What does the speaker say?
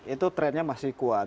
itu trennya masih kuat